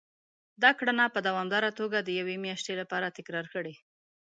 دا کړنه په دوامداره توګه د يوې مياشتې لپاره تکرار کړئ.